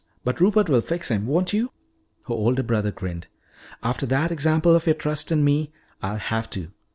But Rupert will fix him won't you?" Her older brother grinned. "After that example of your trust in me, I'll have to.